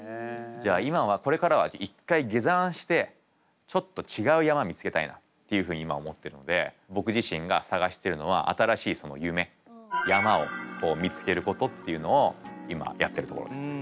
じゃあ今はこれからは一回下山してちょっと違う山見つけたいなっていうふうに今思ってるので僕自身がさがしてるのは新しい夢山を見つけることっていうのを今やってるところです。